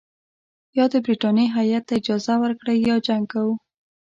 یا د برټانیې هیات ته اجازه ورکړئ یا جنګ کوو.